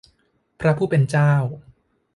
พระผู้เป็นเจ้า